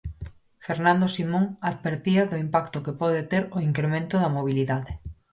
Fernando Simón advertía do impacto que pode ter o incremento da mobilidade.